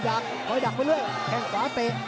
คอยดักไปเรื่อยแข้งขวาเตะ